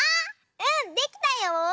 うんできたよ！